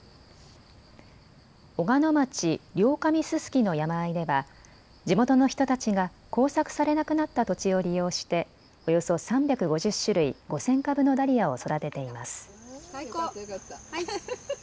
小鹿野町両神薄の山あいでは地元の人たちが耕作されなくなった土地を利用しておよそ３５０種類５０００株のダリアを育てています。